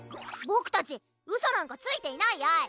ボクたちうそなんかついていないやい！